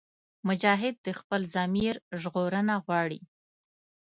مجاهد د خپل ضمیر ژغورنه غواړي.